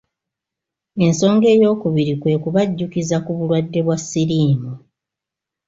Ensonga eyokubiri kwe kubajjukiza ku bulwadde bwa siriimu.